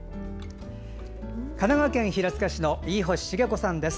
神奈川県平塚市の飯干成子さんです。